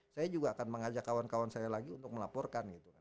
saya juga akan mengajak kawan kawan saya lagi untuk melaporkan